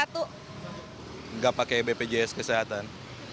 tidak pakai bpjs kesehatan